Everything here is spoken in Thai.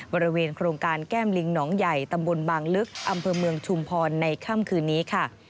บริเวณโครงการแก้มลิงหนองใหญ่ตำบลบางลึกอำเภอเมืองชุมพรในค่ำคืนนี้ค่ะ